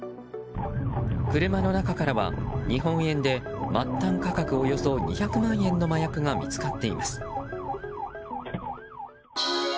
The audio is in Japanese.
車の中からは、日本円で末端価格およそ２００万円の麻薬が見つかっています。